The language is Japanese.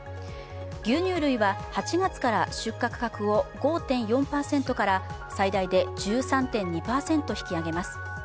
牛乳類は８月から出荷価格を５．４％から最大で１３．２％引き上げます。